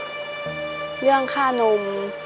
เรื่องค่านม